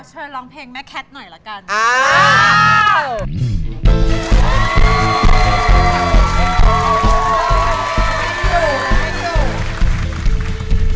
เชิญร้องเพลงแม่แคทหน่อยละกัน